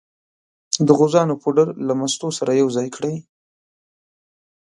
د غوزانو پوډر له مستو سره یو ځای کړئ.